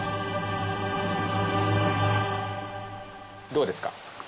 どうですか？